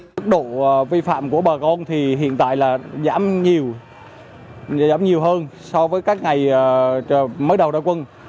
tức độ vi phạm của bà con hiện tại giảm nhiều hơn so với các ngày mới đầu đại quân